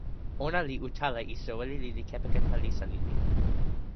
ona li utala e soweli lili kepeken palisa lili.